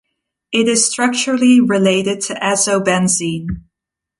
It is structurally related to azobenzene.